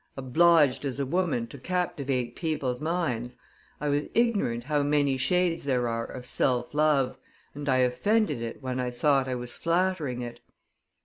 Obliged, as a woman, to captivate people's minds, I was ignorant how many shades there are of self love, and I offended it when I thought I was flattering it.